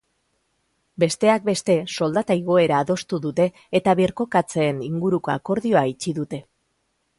Besteak beste, soldata igoera adostu dute eta birkokatzeen inguruko akordioa itxi dute.